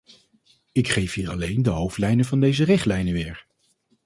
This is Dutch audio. Ik geef hier alleen de hoofdlijnen van deze richtlijnen weer.